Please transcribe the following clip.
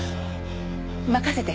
任せて。